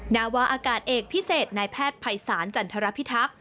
นาวาอากาศเอกพิเศษนายแพทย์ภัยศาลจันทรพิทักษ์